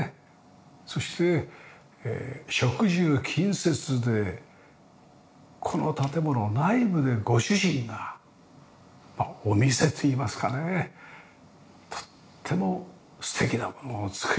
そして職住近接でこの建物内部でご主人がお店といいますかねとっても素敵なものを作り上げるといいますか。